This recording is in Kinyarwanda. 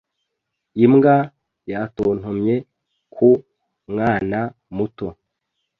Imbwa yatontomye ku mwana muto.